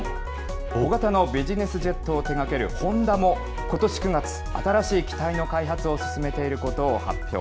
小型のビジネスジェットを手がけるホンダも、ことし９月、新しい機体の開発を進めていることを発表。